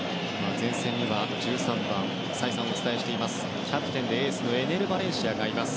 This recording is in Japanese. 前線には１３番の再三、お伝えしていますがキャプテンでエースのエネル・バレンシアがいます。